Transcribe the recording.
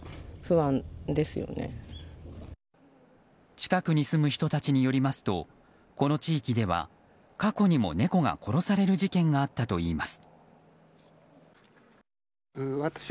近くに住む人たちによりますとこの地域では過去にも猫が殺される事件があったといいます。